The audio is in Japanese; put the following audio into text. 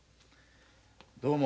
どうも。